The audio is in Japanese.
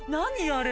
あれ。